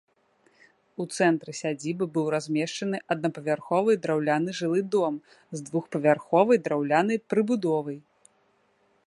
У цэнтры сядзібы быў размешчаны аднапавярховы драўляны жылы дом з двухпавярховай драўлянай прыбудовай.